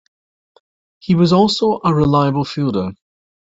He was also a reliable fielder.